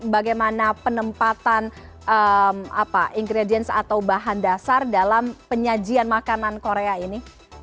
bagaimana penempatan ingredients atau bahan dasar dalam penyajian makanan korea ini